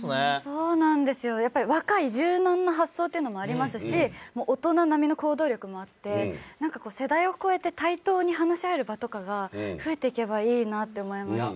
そうなんですよ、若い柔軟な発想というのもありますし大人並みの行動力もあって、世代を超えて対等に話し合える場とかが増えていけばいいなと思いました。